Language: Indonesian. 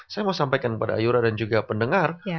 saya mau sampaikan kepada ayura dan juga pendengar